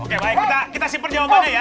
oke baik kita simpel jawabannya ya